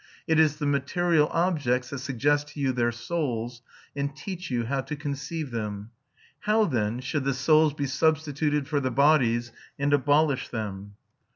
It is the material objects that suggest to you their souls, and teach you how to conceive them. How then should the souls be substituted for the bodies, and abolish them?